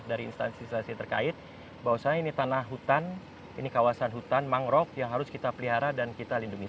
dari instansi instansi terkait bahwasanya ini tanah hutan ini kawasan hutan mangrove yang harus kita pelihara dan kita lindungi